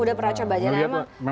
udah pernah coba jadi memang